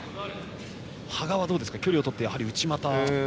羽賀は、どうですか距離をとって内股ですか。